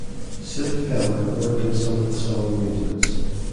Sid Feller worked on some of the song arrangements.